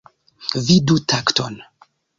Vidu takton.